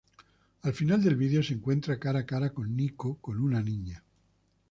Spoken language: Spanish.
Al final del video se encuentra cara a cara con Nico con una niña.